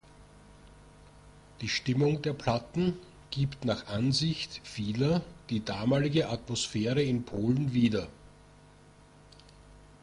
Die Stimmung der Platten gibt nach Ansicht vieler die damalige Atmosphäre in Polen wieder.